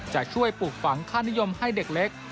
จะช่วยปลูกฝังค่านิยมให้เด็กเล็ก